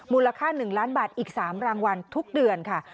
มูลค่า๑ล้านบาทอีก๓รางวัลทุกเดือนค่ะ